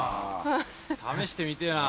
試してみてぇな。